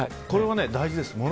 これは大事です。